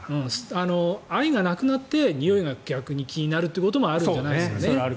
愛がなくなってにおいが気になるってこともあるんじゃないですか。